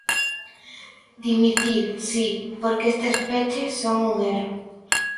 Dimitir, si, porque estes peches son un erro.